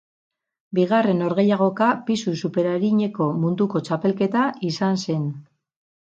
Bigarren norgehiagoka pisu superarineko munduko txapelketa izan zen.